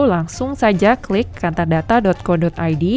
langsung saja klik kantardata co id